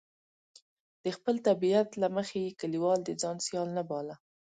د خپل طبیعت له مخې یې کلیوال د ځان سیال نه باله.